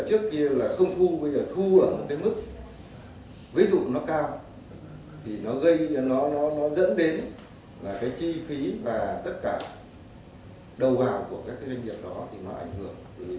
trước kia là công thu bây giờ thu ở cái mức ví dụ nó cao thì nó dẫn đến là cái chi phí và tất cả đầu vào của các doanh nghiệp đó thì nó ảnh hưởng